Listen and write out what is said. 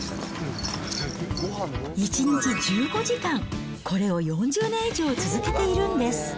１日１５時間、これを４０年以上続けているんです。